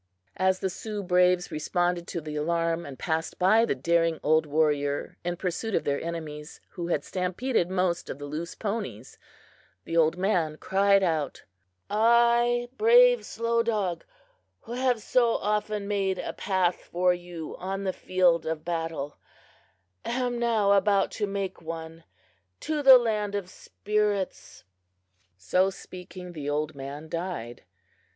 As the Sioux braves responded to the alarm, and passed by the daring old warrior in pursuit of their enemies, who had stampeded most of the loose ponies, the old man cried out: "I, brave Slow Dog, who have so often made a path for you on the field of battle, am now about to make one to the land of spirits!" So speaking, the old man died.